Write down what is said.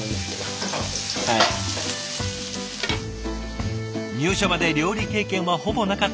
入社まで料理経験はほぼなかったという長尾さん。